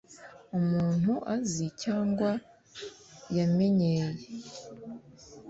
umuntu azi cyangwa yamenyeye